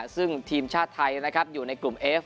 ซึ่งทีมชาติไทยนะครับอยู่ในกลุ่มเอฟ